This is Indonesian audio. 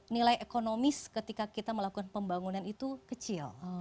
nilai ekonomis ketika kita melakukan pembangunan itu kecil